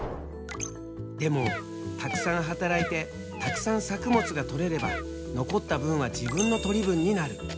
でもたくさん働いてたくさん作物がとれれば残った分は自分の取り分になる。